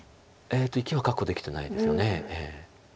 生きは確保できてないですよね。